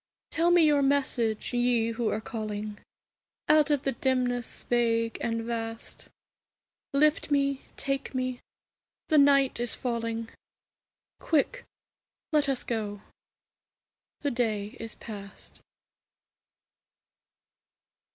Tell me your message, Ye who are calling Out of the dimness vague and vast; Lift me, take me, the night is falling; Quick, let us go, the day is past.